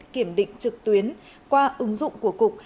kiểm định trực tuyến qua ứng dụng của cục